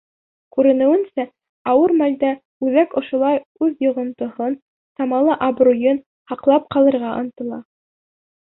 Күренеүенсә, ауыр мәлдә Үҙәк ошолай үҙ йоғонтоһон, самалы абруйын һаҡлап ҡалырға ынтыла.